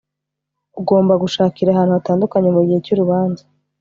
ugomba gushakira ahantu hatandukanye mu gihe cy urubanza